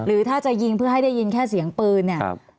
หรือถ้าจะยิงเพื่อให้ได้ยินแค่เสียงปืนเนี่ย